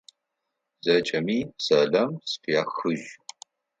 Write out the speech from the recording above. Зэкӏэми сэлам сфяхыжь!